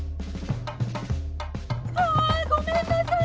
あ！ごめんなさい！